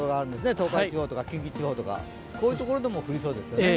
東海地方とか近畿地方とかそういうところでも降りそうです。